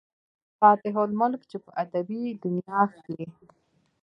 فاتح الملک، چې پۀ ادبي دنيا کښې